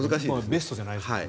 ベストじゃないですよね。